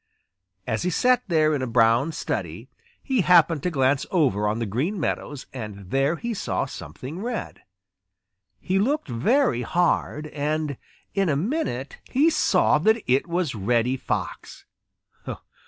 As he sat there in a brown study, he happened to glance over on the Green Meadows and there he saw something red. He looked very hard, and in a minute he saw that it was Reddy Fox.